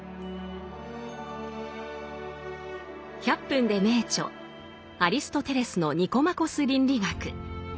「１００分ｄｅ名著」アリストテレスの「ニコマコス倫理学」。